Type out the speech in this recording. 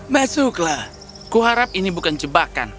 masuklah kuharap ini bukan jebakan